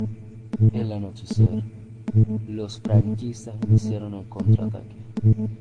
El anochecer, los franquistas iniciaron el contraataque.